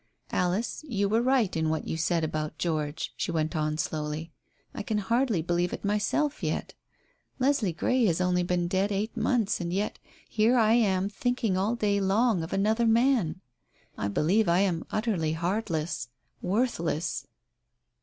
"Alice, you were right in what you said about George," she went on slowly. "I can hardly believe it myself yet. Leslie Grey has only been dead eight months, and yet here I am thinking all day long of another man. I believe I am utterly heartless worthless."